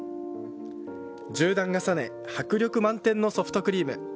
１０段重ね、迫力満点のソフトクリーム。